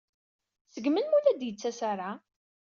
Seg melmi ur la d-yettas ara?